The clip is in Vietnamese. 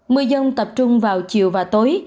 mưa dông tập trung vào chiều và tối